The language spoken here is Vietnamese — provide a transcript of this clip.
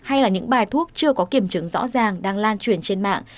hay là những bài thuốc chưa có kiểm chứng rõ ràng đang lan truyền trên mạng